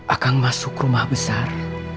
akang masuk rumah besar